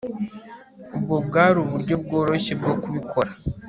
Ubwo bwari uburyo bworoshye bwo kubikora